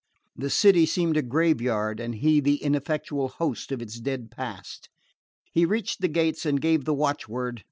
The city seemed a grave yard and he the ineffectual ghost of its dead past. He reached the gates and gave the watchword.